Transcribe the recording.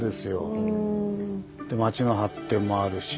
で町の発展もあるし。